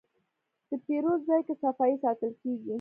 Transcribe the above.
د پیرود ځای کې صفایي ساتل کېږي.